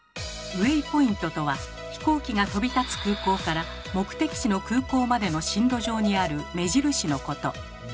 ウェイポイントとは飛行機が飛び立つ空港から目的地の空港までの進路上にある目印のこと。